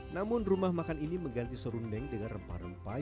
namun rumah makan ini mengganti serundeng dengan rempah rempah